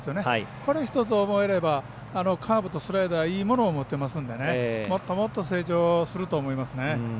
これを１つ覚えればスライダーとカーブいいものを持ってますのでもっともっと成長すると思いますね。